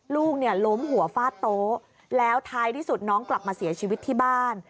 ลูกเนี่ยล้มหัวฟาดโต๊ะแล้วท้ายที่สุดน้องกลับมาเสียชีวิตที่บ้าน